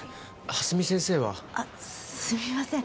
蓮見先生はあっすみません